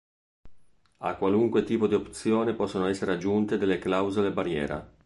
A qualunque tipo di opzione possono essere aggiunte delle "clausole barriera".